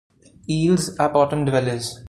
Eels are bottom dwellers.